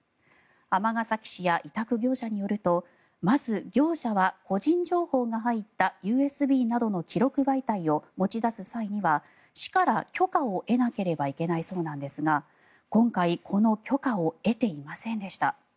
尼崎市や委託業者によるとまず、業者は個人情報が入ったＵＳＢなどの記録媒体を持ち出す際には市から許可を得なければいけないそうなんですが今回、この許可を得ていませんでした。